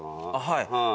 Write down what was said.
はい。